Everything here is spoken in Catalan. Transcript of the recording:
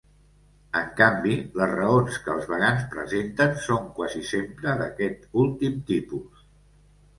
En canvi, les raons que els vegans presenten són quasi sempre d'aquest últim tipus.